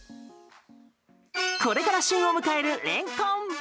これから旬を迎えるレンコン。